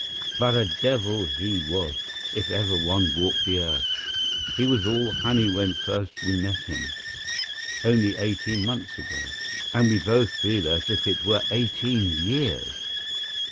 But a devil he was, if ever one walked the earth. He was all honey when first we met him—only eighteen months ago, and we both feel as if it were eighteen years.